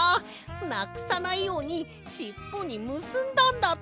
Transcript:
なくさないようにしっぽにむすんだんだった！